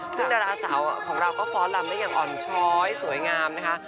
ซึ่งดาราสาวของเราก็ฟ้อนลำได้อย่างอ่อนช้อยสวยงามนะคะ